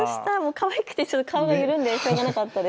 かわいくて顔が緩んでしょうがなかったです。